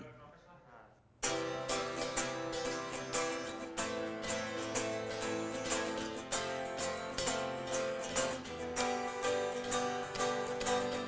kedua yang lebih tepat gitar al salam